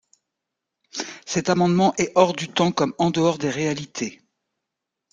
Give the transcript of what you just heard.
Cet amendement est hors du temps comme en dehors des réalités.